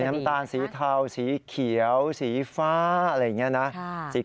น้ำตาลสีเทาสีเขียวสีฟ้าอะไรอย่างนี้นะ